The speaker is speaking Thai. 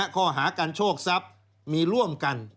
ข้อหาการโชคทรัพย์มีร่วมกัน